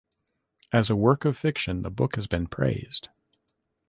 As a work of fiction, the book has been praised.